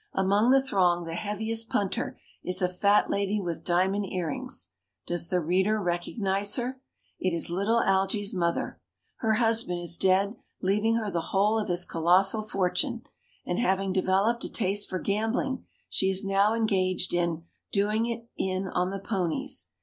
Among the throng the heaviest punter is a fat lady with diamond earrings. Does the reader recognize her? It is little Algy's mother. Her husband is dead, leaving her the whole of his colossal fortune, and, having developed a taste for gambling, she is now engaged in "doing it in on the ponies".